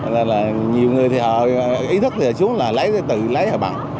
nên là nhiều người thì họ ý thức là xuống là lấy tự lấy họ bằng